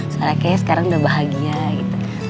soalnya kayaknya sekarang udah bahagia gitu